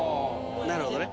なるほどね。